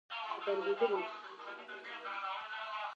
ازادي راډیو د بیکاري په اړه د خلکو نظرونه خپاره کړي.